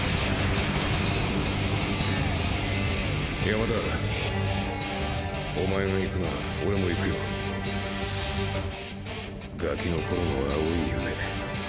山田おまえが行くなら俺もガキの頃の青い夢。